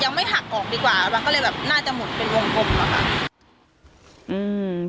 ยังไม่หักออกดีกว่าก็เลยน่าจะหมุนเป็นวงเหรอคะ